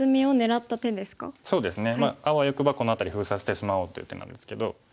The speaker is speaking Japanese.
あわよくばこの辺り封鎖してしまおうという手なんですけど。